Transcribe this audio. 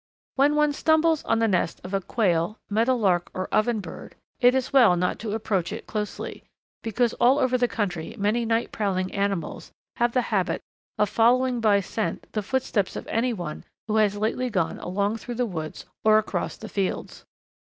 When one stumbles on the nest of a Quail, Meadowlark, or Oven bird, it is well not to approach it closely, because all over the country many night prowling animals have the habit of following by scent the footsteps of any one who has lately gone along through the woods or across the fields.